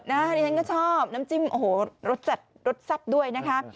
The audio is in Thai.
นี่ฉันก็ชอบน้ำจิ้มโอ้โหรสจัดรสแซ่บด้วยนะคะ